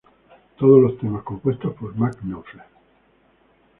Todos los temas compuesto por Mark Knopfler.